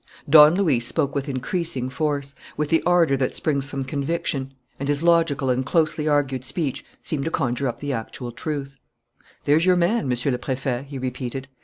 Don Luis spoke with increasing force, with the ardour that springs from conviction; and his logical and closely argued speech seemed to conjure up the actual truth, "There's your man, Monsieur le Préfet," he repeated.